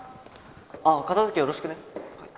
ああ片づけよろしくね。